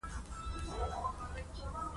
د پروسې پر وړاندې مخالفت کوي.